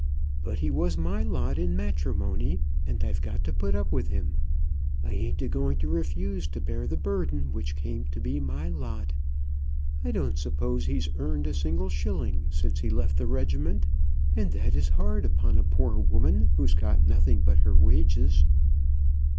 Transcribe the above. But he was my lot in matrimony, and I've got to put up with him. I ain't a going to refuse to bear the burden which came to be my lot. I don't suppose he's earned a single shilling since he left the regiment, and that is hard upon a poor woman who's got nothing but her wages."